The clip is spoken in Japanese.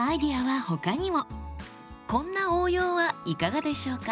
こんな応用はいかがでしょうか？